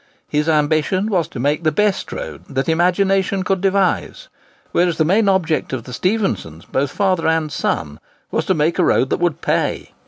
His ambition was to make the best road that imagination could devise; whereas the main object of the Stephensons, both father and son, was to make a road that would pay.